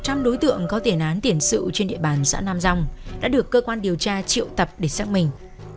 một trăm linh đối tượng có tiền án tiền sự trên địa bàn xã nam rong đã được cơ quan điều tra triệu tập để xác minh